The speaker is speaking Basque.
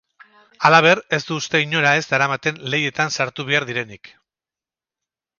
Halaber, ez du uste inora ez daramaten lehietan sartu behar direnik.